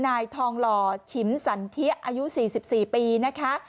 นายทองหล่อฉิมสันเทียอายุ๔๔ปีนะคะ